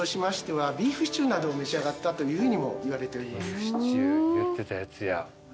ビーフシチュー言ってたやつや。